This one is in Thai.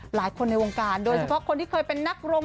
หลายคนในวงการโดยเฉพาะคนที่เคยเป็นนักรง